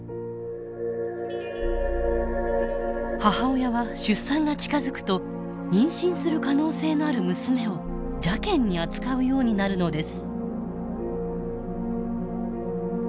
母親は出産が近づくと妊娠する可能性のある娘を邪険に扱うようになるのです。